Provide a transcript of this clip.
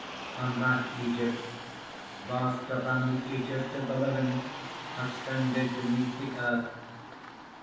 "And that Egypt, vaster than the Egypt of the living, extended beneath the earth.